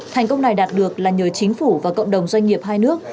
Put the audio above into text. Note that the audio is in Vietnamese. thành công này đạt được là nhờ chính phủ và cộng đồng doanh nghiệp hai nước